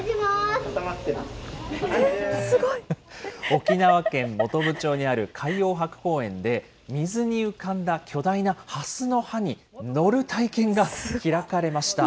沖縄県本部町にある海洋博公園で、水に浮かんだ巨大なハスの葉に乗る体験が開かれました。